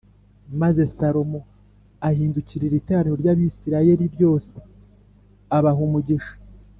Maze Salomo ahindukirira iteraniro ry’Abisirayeli ryose abaha umugisha